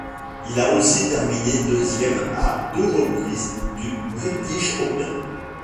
Il a aussi terminé deuxième à deux reprises du British Open.